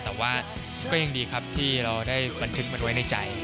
แต่ว่าก็ยังดีครับที่เราได้บันทึกมันไว้ในใจ